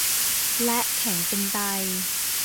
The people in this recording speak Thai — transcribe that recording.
และแข็งเป็นไต